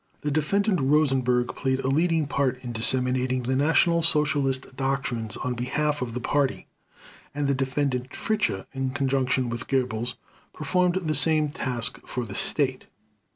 The Defendant Rosenberg played a leading part in disseminating the National Socialist doctrines on behalf of the Party, and the Defendant Fritzsche, in conjunction with Goebbels, performed the same task for the State.